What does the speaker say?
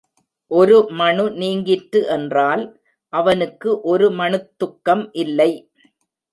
ஒரு மணு நீங்கிற்று என்றால் அவனுக்கு ஒரு மணுத் துக்கம் இல்லை.